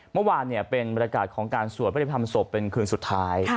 เมื่อวานเป็นบรรยากาศของการสวดพระธรรมศพเป็นคืนสุดท้าย